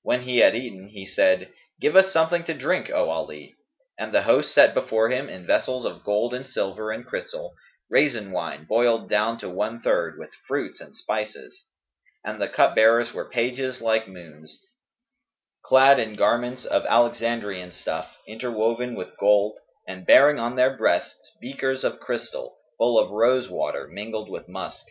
When he had eaten, he said, "Give us some thing to drink, O Ali;" and the host set before him, in vessels of gold and silver and crystal, raisin wine boiled down to one third with fruits and spices; and the cupbearers were pages like moons, clad in garments of Alexandrian stuff interwoven with gold and bearing on their breasts beakers of crystal, full of rose water mingled with musk.